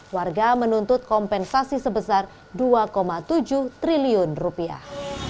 warga menuntut kompensasi sebesar dua tujuh triliun rupiah